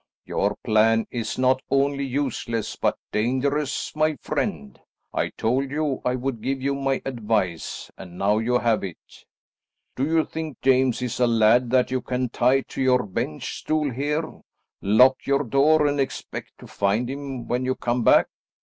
"Your plan is not only useless, but dangerous, my friend. I told you I would give you my advice, and now you have it. Do you think James is a lad that you can tie to your bench stool here, lock your door, and expect to find him when you came back?